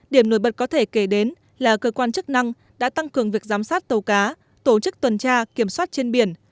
điểm nổi bật có thể kể đến là cơ quan chức năng đã tăng cường việc giám sát tàu cá tổ chức tuần tra kiểm soát trên biển